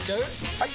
・はい！